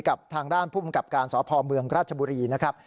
กับทางด้านภูมิกับการสพเมืองราชบุรีนะครับ